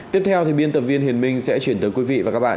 tiếp theo thì biên tập viên hiền minh sẽ chuyển tới quý vị và các bạn